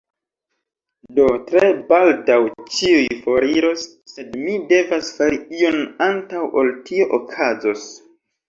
Do, tre baldaŭ ĉiuj foriros sed mi devas fari ion antaŭ ol tio okazos